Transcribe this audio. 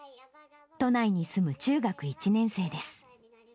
都内に住む中学１年生です。